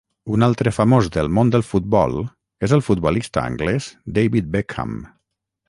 Un altre famós del món del futbol és el futbolista anglès David Beckham.